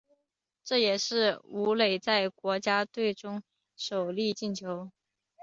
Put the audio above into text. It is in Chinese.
这也是武磊在国家队中的首粒进球。